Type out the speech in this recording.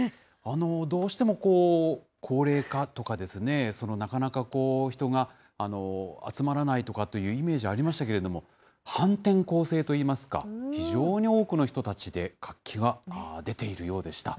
どうしても高齢化とか、なかなか人が集まらないとかというイメージありましたけれども、反転攻勢といいますか、非常に多くの人たちで活気が出ているようでした。